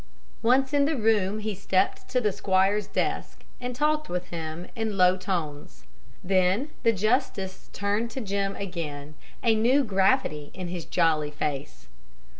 Once in the room, he stepped to the squire's desk, and talked with him in low tones. Then the justice turned to Jim again, a new gravity in his jolly face.